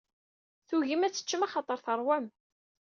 Tugim ad teččem axaṭer terwam.